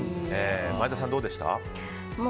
前田さん、どうでした？